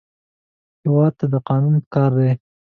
هېواد ته قانون پکار دی